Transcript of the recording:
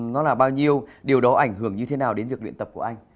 nó là bao nhiêu điều đó ảnh hưởng như thế nào đến việc luyện tập của anh